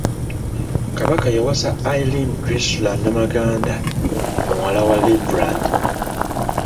Kabaka yawasa Irene Drusilla Namaganda, muwala wa Reverand.